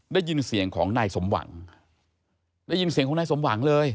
ได้ยินเสียงของนายสมหวังได้ยินเสียงของนายสมหวังเลย